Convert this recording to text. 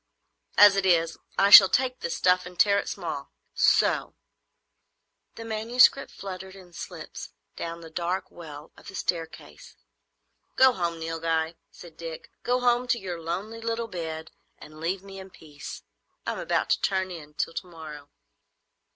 "As it is, I shall take this stuff and tear it small—so!" The manuscript fluttered in slips down the dark well of the staircase. "Go home, Nilghai," said Dick; "go home to your lonely little bed, and leave me in peace. I am about to turn in till to morrow."